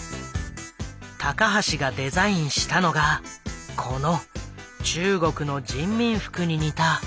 高橋がデザインしたのがこの中国の人民服に似た赤い制服。